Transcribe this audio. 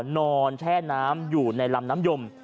แช่น้ำอยู่ในลำน้ำยม